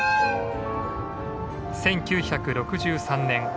１９６３年